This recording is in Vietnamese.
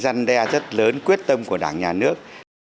chống tham nhũng đã trở thành quyết tâm của đảng nhà nước